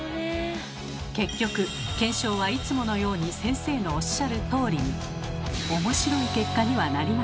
結局検証はいつものように先生のおっしゃるとおりに。